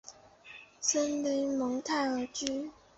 森林蒙泰居。